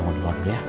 untung luar dulu ya